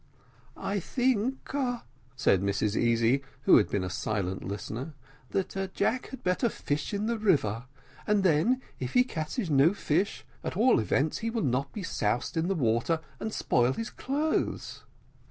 "I think," said Mrs Easy, who had been a silent listener, "that Jack had better fish in the river, and then, if he catches no fish, at all events he will not be soused in the water, and spoil his clothes."